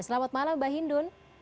selamat malam mbak hindun